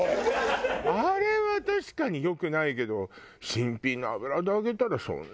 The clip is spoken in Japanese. あれは確かに良くないけど新品の油で揚げたらそんなに目の敵にする。